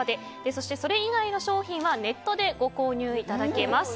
そして、それ以外の商品はネットでご購入いただけます。